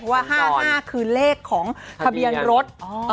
ว่า๕๕คือเลขของทะเบียนรถ